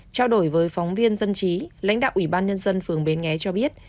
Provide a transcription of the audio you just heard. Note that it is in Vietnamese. trao đổi với phóng viên dân trí lãnh đạo ủy ban nhân dân phường bến nghé cho biết